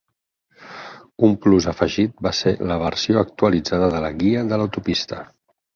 Un plus afegit va ser la versió actualitzada de la "Guia de l'autopista".